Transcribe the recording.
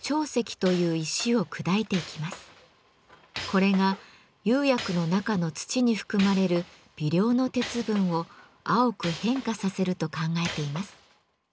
これが釉薬の中の土に含まれる微量の鉄分を青く変化させると考えています。